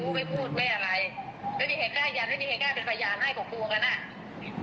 ไม่พูดแม่อะไรไม่มีเหตุการณ์ยันต์ไม่มีเหตุการณ์เป็นสยาน